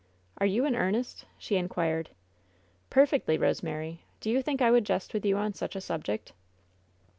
"Are you .in earnest?" she inquired. "Perfectly, Rosemary. Do you think I would jest with you on such a subject